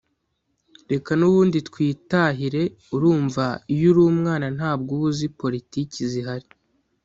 reka n’ubundi twitahire’ urumva iyo uri umwana ntabwo uba uzi politiki zihari